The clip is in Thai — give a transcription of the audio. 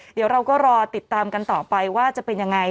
เดี๋ยวเราก็รอติดตามกันต่อไปว่าจะเป็นยังไง